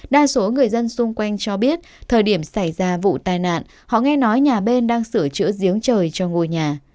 đa số người dân xung quanh cho biết thời điểm xảy ra vụ tai nạn họ nghe nói nhà bên đang sửa chữa giếng trời cho ngôi nhà